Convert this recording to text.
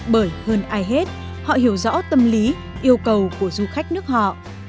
bởi hơn ai hết họ hiểu rõ tâm lý yêu cầu của du khách nước họ